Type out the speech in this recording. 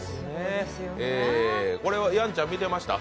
これはやんちゃん見てました？